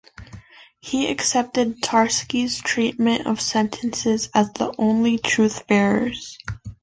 He accepted Tarski's treatment of sentences as the only truth-bearers.